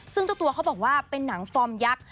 ซึ่งเจ้าตัวเขาบอกว่าเป็นหนังฟอร์มยักษ์